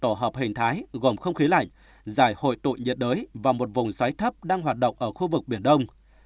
tổ hợp hình thái gồm không khí lạnh giải hội tụ nhiệt đới và một vùng xoáy thấp đang hoạt động ở khu vực biển đông